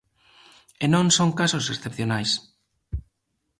E non son casos excepcionais.